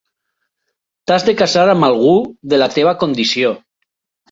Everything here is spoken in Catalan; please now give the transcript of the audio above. T'has de casar amb algú de la teva condició.